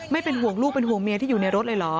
ไม่เป็นห่วงลูกเป็นห่วงเมียที่อยู่ในรถเลยเหรอ